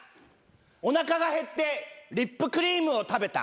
おなかが減ってリップクリームを食べた。